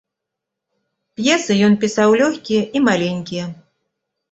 П'есы ён пісаў лёгкія і маленькія.